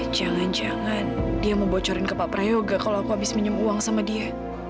jangan jangan dia membocorin ke pak prayoga kalau aku habis minum uang sama dia